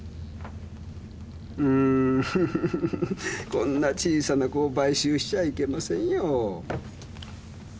こんな小さな子を買収しちゃいけませんよ。